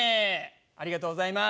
ありがとうございます。